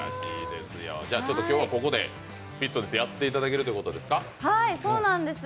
ここでフィットネスやっていただけるということですか。